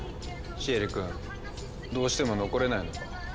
シエリ君どうしても残れないのか。